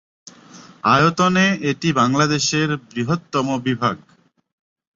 আয়তনে এটি বাংলাদেশের বৃহত্তম বিভাগ।